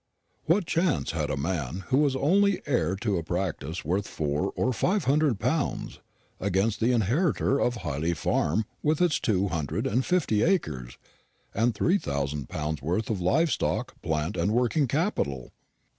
What chance had a man, who was only heir to a practice worth four or five hundred pounds, against the inheritor of Hyley Farm with its two hundred and fifty acres, and three thousand pounds' worth of live stock, plant, and working capital?